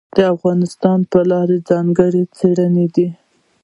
دا د افغانستان په اړه ځانګړې څېړنه ده.